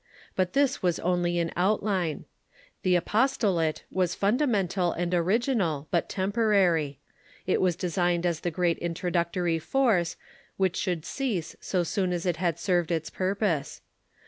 But this was only in outline. The apostolate was fundamental and original, but temporary. It Avas designed as the great introductory force, which should cease so soon as it had served its purpose.